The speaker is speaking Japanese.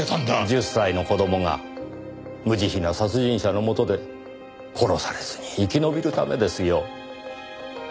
１０歳の子供が無慈悲な殺人者の元で殺されずに生き延びるためですよ。